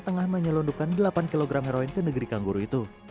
tengah menyelundupkan delapan kg heroin ke negeri kangguru itu